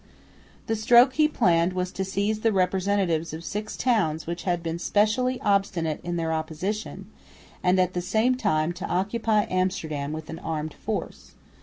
The stroke he planned was to seize the representatives of six towns which had been specially obstinate in their opposition, and at the same time to occupy Amsterdam with an armed force.